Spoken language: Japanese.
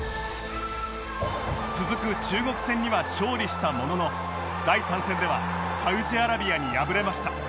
続く中国戦には勝利したものの第３戦ではサウジアラビアに敗れました